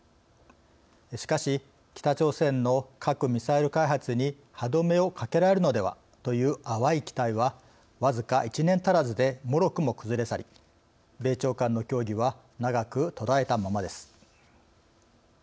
しかし北朝鮮の核・ミサイル開発に歯止めをかけられるのではという淡い期待はわずか１年足らずでもろくも崩れ去り米朝間の協議は長く途絶えたままです。